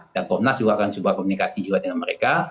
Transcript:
dan komnas juga akan coba komunikasi juga dengan mereka